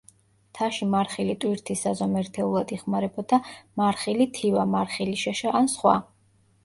მთაში მარხილი ტვირთის საზომ ერთეულად იხმარებოდა მარხილი თივა, მარხილი შეშა და სხვა.